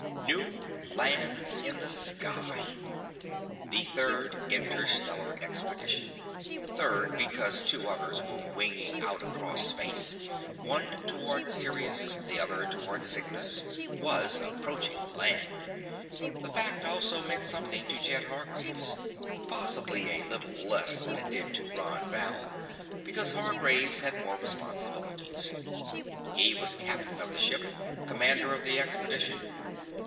New lands in the sky! The Third Interstellar Expedition third because two others were winging out across space, one toward Sirius, the other toward Cygnus was approaching land! The fact also meant something to Jed Hargraves, possibly a little less than it did to Ron Val because Hargraves had more responsibilities. He was captain of the ship, commander of the expedition.